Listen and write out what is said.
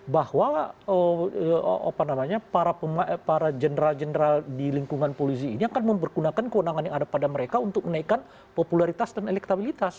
bahwa para general general di lingkungan polisi ini akan mempergunakan kewenangan yang ada pada mereka untuk menaikkan popularitas dan elektabilitas